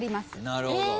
なるほど。